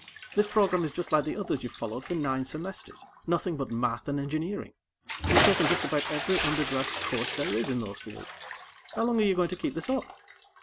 This program is just like the others you've followed for nine semesters; nothing but math and engineering. You've taken just about every undergrad course there is in those fields. How long are you going to keep this up?"